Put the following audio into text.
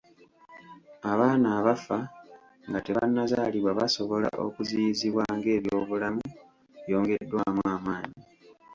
Abaana abafa nga tebannazaalibwa basobola okuziyizibwa ng'ebyobulamu byongeddwamu amaanyi